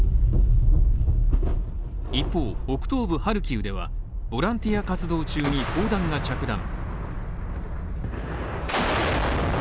一方、北東部ハルキウでは、ボランティア活動中に砲弾が着弾。